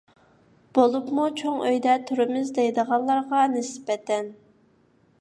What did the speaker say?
بولۇپمۇ چوڭ ئۆيدە تۇرىمىز دەيدىغانلارغا نىسبەتەن.